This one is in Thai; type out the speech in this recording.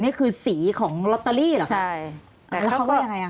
นี่คือสีของลอตเตอรี่เหรอคะใช่แล้วเขาว่ายังไงอ่ะ